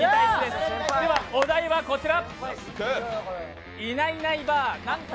ではお題はこちら！